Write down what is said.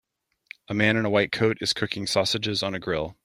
A man in a white coat is cooking sausages on a grill.